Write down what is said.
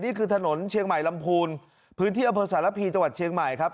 นี่คือถนนเชียงใหม่ลำพูนพื้นที่อำเภอสารพีจังหวัดเชียงใหม่ครับ